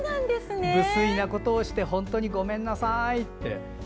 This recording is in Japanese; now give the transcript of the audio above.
無粋なことをして本当にごめんなさいと。